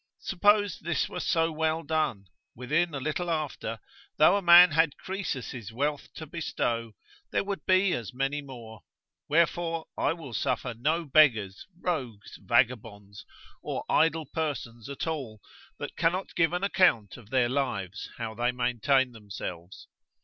Suppose this were so well done, within a little after, though a man had Croesus' wealth to bestow, there would be as many more. Wherefore I will suffer no beggars, rogues, vagabonds, or idle persons at all, that cannot give an account of their lives how they maintain themselves.